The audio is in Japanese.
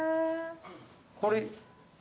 これ。